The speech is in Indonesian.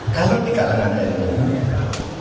kalau di kalangan dari umumnya